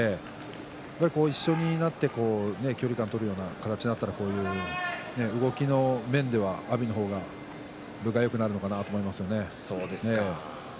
一緒になって距離感を取るような相撲になると動きの面では阿炎の方が分がよくなるのかなと思いますよね。